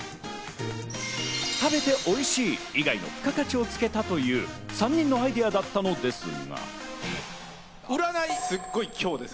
食べておいしい以外に付加価値をつけたという３人のアイデアだったのですが。